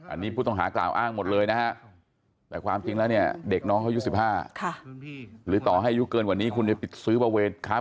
อันนี้ผู้ต้องหากล่าวอ้างหมดเลยนะฮะแต่ความจริงแล้วเนี่ยเด็กน้องเขาอายุ๑๕หรือต่อให้อายุเกินกว่านี้คุณจะปิดซื้อประเวทครับ